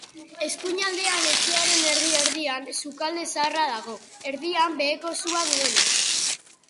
Eskuinaldean, etxearen erdi-erdian, sukalde zaharra dago, erdian beheko sua duena.